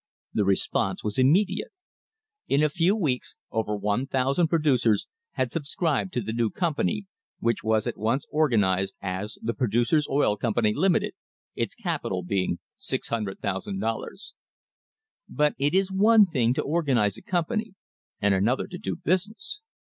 The response was immediate. In a few weeks over 1,000 pro ducers had subscribed to the new company, which was at once organised as the Producers' Oil Company, Limited, its capital being $600,000. But it is one thing to organise a company, and another to do business.